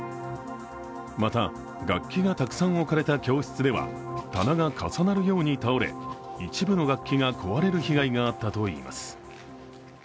また、楽器がたくさん置かれた教室では棚が重なるように倒れ一部の楽器が壊れる被害があったといいます。